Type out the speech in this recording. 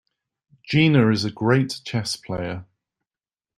Gina is a great chess player.